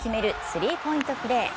スリーポイントプレー。